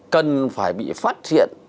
cần phải bị phát hiện